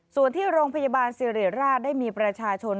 ส่วนที่โรงพยาบาลสิริราชได้มีประชาชน